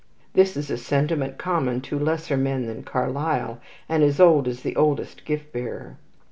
This is a sentiment common to lesser men than Carlyle, and as old as the oldest gift bearer.